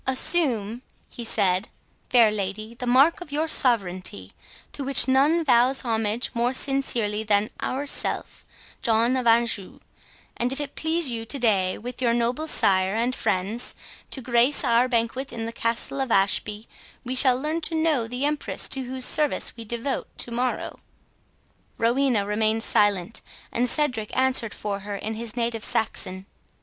"Assume," he said, "fair lady, the mark of your sovereignty, to which none vows homage more sincerely than ourself, John of Anjou; and if it please you to day, with your noble sire and friends, to grace our banquet in the Castle of Ashby, we shall learn to know the empress to whose service we devote to morrow." Rowena remained silent, and Cedric answered for her in his native Saxon.